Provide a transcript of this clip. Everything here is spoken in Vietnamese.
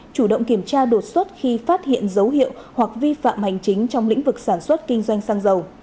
chủ động kiểm tra đột xuất khi phát hiện dấu hiệu hoặc vi phạm hành chính trong lĩnh vực sản xuất kinh doanh xăng dầu